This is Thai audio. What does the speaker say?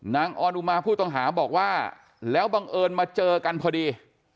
ออนอุมาผู้ต้องหาบอกว่าแล้วบังเอิญมาเจอกันพอดี